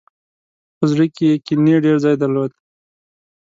په زړه کې یې کینې ډېر ځای درلود.